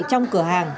trong cửa hàng